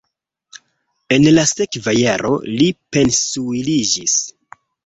En la sekva jaro li pensiuliĝis.